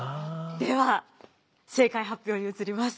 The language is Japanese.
では正解発表に移ります。